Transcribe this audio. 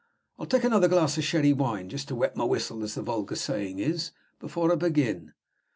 I'll take another glass of the sherry wine, just to wet my whistle, as the vulgar saying is, before I begin.